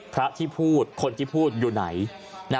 พระที่พูดคนที่พูดอยู่ไหน